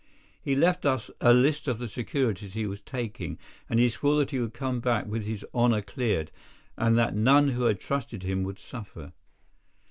He left us a list of the securities he was taking, and he swore that he would come back with his honour cleared, and that none who had trusted him would suffer.